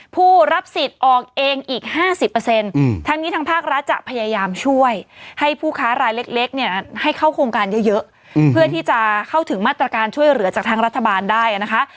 ผู้รับสิทธิ์ออกเองอีก๕๐ทั้งนี้ทางภาครัฐจะพยายามช่วยให้ผู้ค้ารายเล็กเนี่ยให้เข้าโครงการเยอะเพื่อที่จะเข้าถึงมาตรการช่วยเหลือจากทางรัฐบาลได้นะคะ